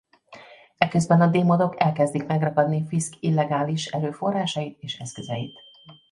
Eközben a démonok elkezdik megragadni Fisk illegális erőforrásait és eszközeit.